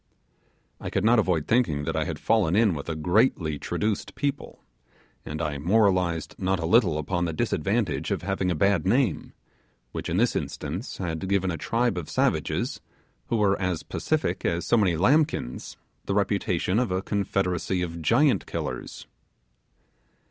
I could not avoid thinking that I had fallen in with a greatly traduced people, and I moralized not a little upon the disadvantage of having a bad name, which in this instance had given a tribe of savages, who were as pacific as so many lambkins, the reputation of a confederacy of giant killers.